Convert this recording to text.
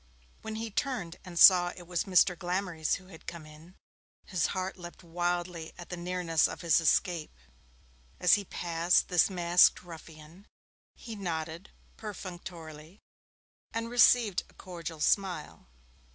When he turned and saw it was Mr. Glamorys who had come in, his heart leapt wildly at the nearness of his escape. As he passed this masked ruffian, he nodded perfunctorily and received a cordial smile.